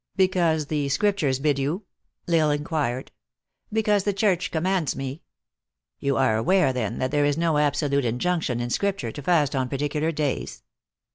"Because the Scriptures bid you?" L Isle inquired. " Because the Church commands me." " You are aware, then, that there is no absolute in junction in Scripture to fast on particular days."